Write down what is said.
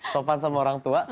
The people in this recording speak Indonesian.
sopan sama orang tua